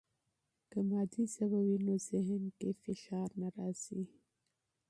که مادي ژبه وي، نو ذهن کې فشار نه راځي.